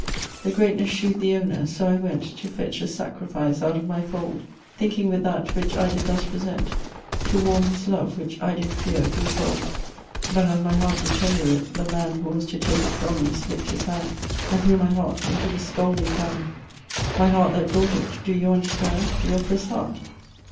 The greatness shew'd the owner. So I went To fetch a sacrifice out of my fold, Thinking with that, which I did thus present, To warm his love, which, I did fear, grew cold. But as my heart did tender it, the man Who was to take it from me, slipt his hand, And threw my heart into the scalding pan; My heart that brought it (do you understand?) The offerer's heart.